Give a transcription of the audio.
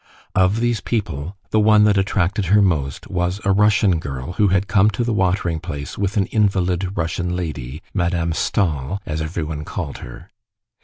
Of these people the one that attracted her most was a Russian girl who had come to the watering place with an invalid Russian lady, Madame Stahl, as everyone called her.